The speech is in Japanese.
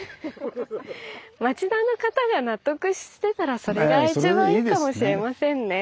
町田の方が納得してたらそれが一番いいかもしれませんね。